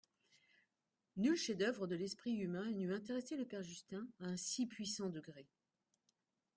Nul chef-d'oeuvre de l'esprit humain n'eût intéressé le père Justin à un si puissant degré.